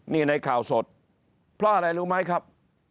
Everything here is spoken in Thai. นี่ในข่าวสดเพราะอะไรรู้ไหมครับ